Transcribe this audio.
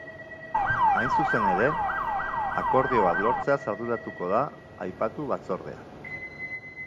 Hain zuzen ere, akordio bat lortzeaz arduratuko da aipatu batzordea.